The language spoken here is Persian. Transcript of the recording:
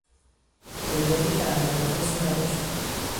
رویدادی که اهمیت خاصی نداشت.